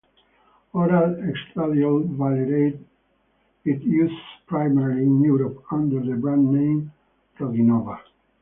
Oral estradiol valerate is used primarily in Europe, under the brand name Progynova.